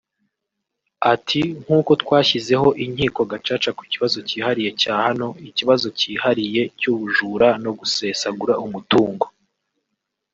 Ati “Nk’uko twashyizeho Inkiko Gacaca ku kibazo cyihariye na hano ikibazo cyihariye cy’ubujura no gusesagura umutungo